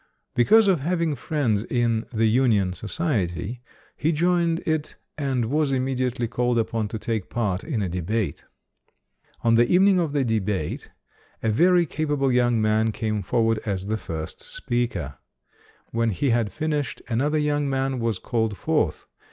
Be cause of having friends in "the Union Society", he joined it, and was immediately called upon to take part in a debate. On the evening of the debate, a very capable young man came forward as the first speaker. When he had finished, another young man was called forth.